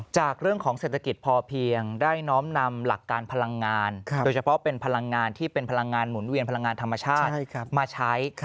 จากเรื่องของเศรษฐกิจพอเพียงได้น้อมนำหลักการพลังงานโดยเฉพาะเป็นพลังงานที่เป็นพลังงานหมุนเวียนพลังงานธรรมชาติมาใช้